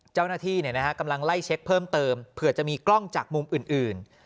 เจ้าหน้าที่กำลังไล่เช็คเพิ่มเติมเผื่อจะมีกล้องจากมุมอื่น